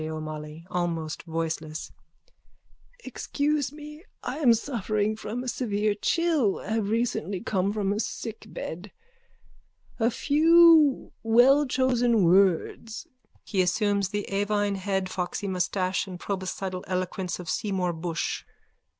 O'MOLLOY: (Almost voicelessly.) Excuse me. I am suffering from a severe chill, have recently come from a sickbed. A few wellchosen words. _(He assumes the avine head, foxy moustache and proboscidal eloquence of Seymour Bushe.)